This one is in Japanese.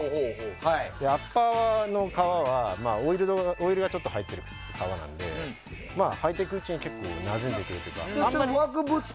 アッパーの革は、オイルがちょっと入ってる革なので履いていくうちになじんでくるというか。